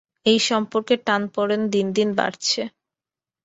এই সম্পর্কের টানাপোড়েন দিন দিন বাড়ছে।